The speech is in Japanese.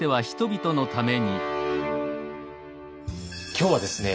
今日はですね